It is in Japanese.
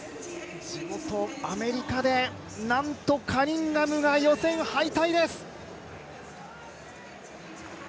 地元アメリカでなんとカニンガムが予選敗退です。